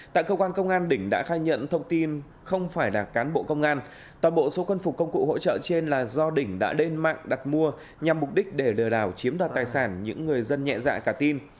tại cơ quan công an đỉnh đã khai nhận thông tin không phải là cán bộ công an toàn bộ số quân phục công cụ hỗ trợ trên là do đỉnh đã lên mạng đặt mua nhằm mục đích để lừa đảo chiếm đoạt tài sản những người dân nhẹ dạ cả tin